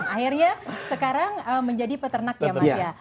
akhirnya sekarang menjadi peternak ya mas ya